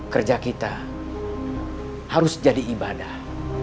kerja kita harus jadi ibadah